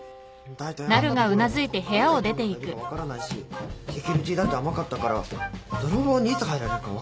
だいたいあんなところどんな生き物がいるか分からないしセキュリティーだって甘かったから泥棒にいつ入られるか分からないし。